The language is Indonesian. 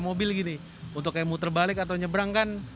mobil gini untuk kayak muter balik atau nyebrang kan